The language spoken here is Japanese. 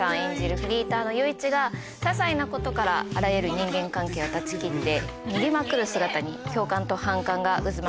フリーターの裕一がささいなことからあらゆる人間関係を断ち切って逃げまくる姿に共感と反感が渦巻く